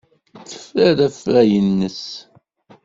Teffer afrayen-nnes.